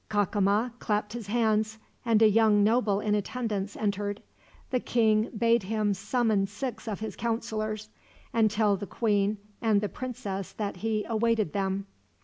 Cacama clapped his hands, and a young noble in attendance entered. The king bade him summon six of his counselors, and tell the queen and the princess that he awaited them.